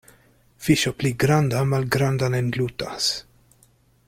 Fiŝo pli granda malgrandan englutas.